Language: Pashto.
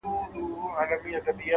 هره بریا د هڅو پایله ده’